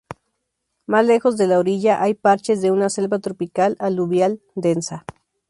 Más lejos de la orilla hay parches de una selva tropical aluvial densa.